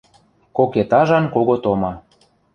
Кок этажан кого тома.